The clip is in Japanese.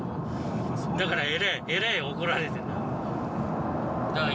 だからえらい怒られてた。